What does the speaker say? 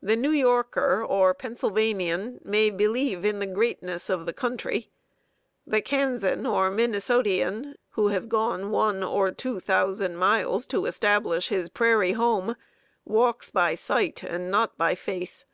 The New Yorker or Pennsylvanian may believe in the greatness of the country; the Kansan or Minnesotian, who has gone one or two thousand miles to establish his prairie home, walks by sight and not by faith.